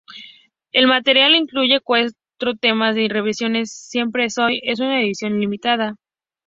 El material incluye cuatro temas de "Reversiones: Siempre es Hoy" en una edición limitada.